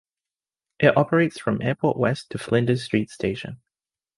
It operates from Airport West to Flinders Street station.